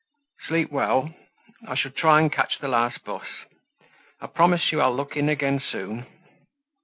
"Sleep well. I shall try and catch the last bus. I promise you I'll look in again soon."